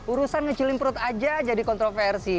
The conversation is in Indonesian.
urusan ngecilin perut aja jadi kontroversi